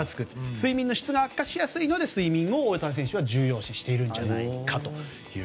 睡眠の質が悪化しやすいので大谷選手は睡眠を重要視しているのではないかと。